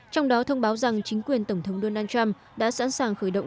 trong đó thông báo rằng chính quyền tổng thống donald trump đã sẵn sàng khởi động